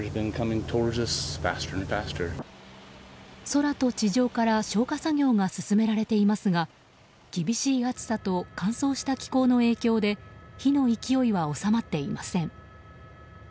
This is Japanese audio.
空と地上から消火作業が進められていますが厳しい暑さと乾燥した気候の影響で火の勢いは収まっていません。